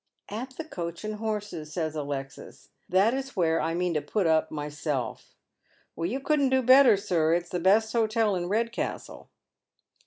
" At the ' Coach and Horses,' " says Alexis. "That is where I jaean to put up myself." *' You couldn't do better, sir. It's the best hotel in Eedcastle."